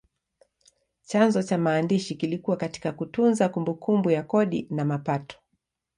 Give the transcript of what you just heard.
Chanzo cha maandishi kilikuwa katika kutunza kumbukumbu ya kodi na mapato.